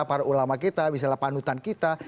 para ulama kita misalnya panutan kita